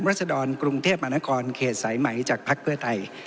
รัศดรกรุงเทพมหานครเขตสายไหมจากภักดิ์เพื่อไทย